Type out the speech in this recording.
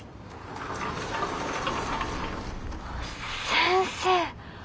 先生。